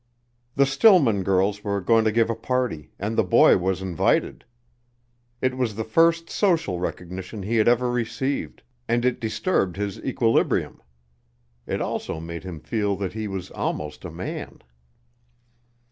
The Stillman girls were going to give a party, and the boy was invited. It was the first social recognition he had ever received, and it disturbed his equilibrium. It also made him feel that he was almost a man.